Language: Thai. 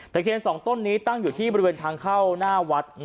เคียน๒ต้นนี้ตั้งอยู่ที่บริเวณทางเข้าหน้าวัด